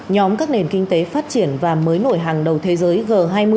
nhóm các nền kinh tế phát triển và mới nổi hàng đầu thế giới g hai mươi